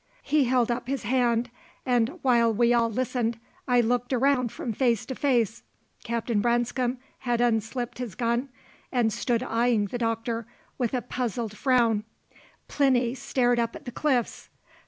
He held up his hand, and while we all listened I looked around from face to face. Captain Branscome had unslipped his gun, and stood eyeing the Doctor with a puzzled frown. Plinny stared up at the cliffs.